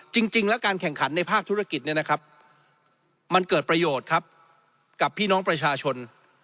จริงแล้วการแข่งขันในภาคธุรกิจเนี่ยนะครับมันเกิดประโยชน์ครับกับพี่น้องประชาชน